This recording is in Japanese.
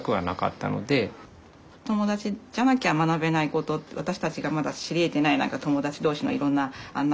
友達じゃなきゃ学べないこと私たちがまだ知りえてない何か友達同士のいろんなあんな